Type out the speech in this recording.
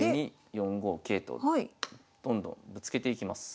４五桂とどんどんぶつけていきます。